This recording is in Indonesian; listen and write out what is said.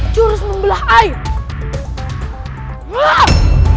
jurus membelah air